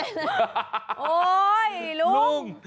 โอ๊ยลุงลุง